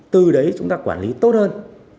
từ đấy chúng ta quản lý tốt hơn